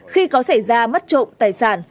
khi có xảy ra mất trộm tài sản